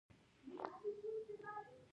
انځر د کندهار او زابل مهم محصول دی